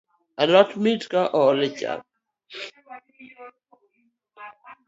Alot mit ka ool e chak